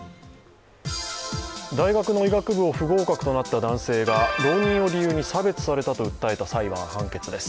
大学の医学部を不合格となった男性が浪人を理由に差別されたと訴えた裁判、判決です。